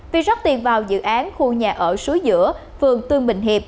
việc rót tiền vào dự án khu nhà ở suối giữa phường tương bình hiệp